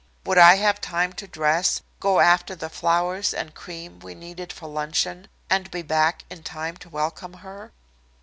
Would I have time to dress, go after the flowers and cream we needed for luncheon and be back in time to welcome her?